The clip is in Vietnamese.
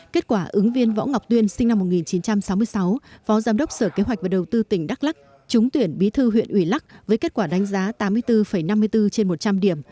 kết quả ứng viên võ ngọc tuyên sinh năm một nghìn chín trăm sáu mươi sáu phó giám đốc sở kế hoạch và đầu tư tỉnh đắk lắc trúng tuyển bí thư huyện ủy lắk với kết quả đánh giá tám mươi bốn năm mươi bốn trên một trăm linh điểm